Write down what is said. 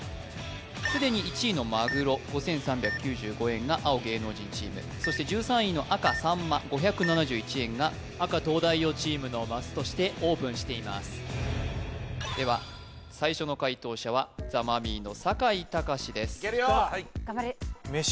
すでに１位のまぐろ５３９５円が青芸能人チームそして１３位の赤さんま５７１円が赤東大王チームのマスとしてオープンしていますでは最初の解答者はザ・マミィの酒井貴士ですいけるよ！